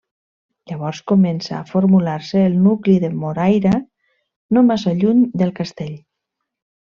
Llavors comença a formar-se el nucli de Moraira, no massa lluny del castell.